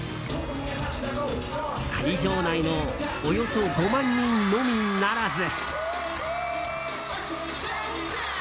会場内のおよそ５万人のみならず。